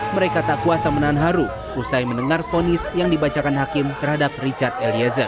mereka tak kuasa menahan haru usai mendengar fonis yang dibacakan hakim terhadap richard eliezer